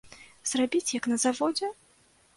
Зрабіць як на заводзе?